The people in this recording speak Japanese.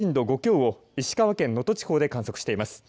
この地震で最大震度５強を石川県能登地方で観測しています。